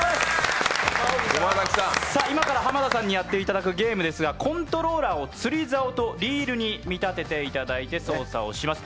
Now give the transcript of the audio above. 今から濱田さんにやっていただくゲームですが、コントローラーを釣りざおとリールに見立てていただいて操作します。